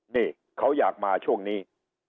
นี่เขาอยากมาช่วงนี้